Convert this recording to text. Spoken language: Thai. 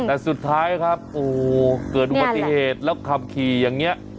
แต่สุดท้ายครับโอ๊วเกิดวัตเงตแล้วทำขี่อย่างเนี้ย